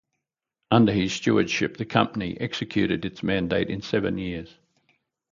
Under his stewardship, the company executed its mandate in seven years.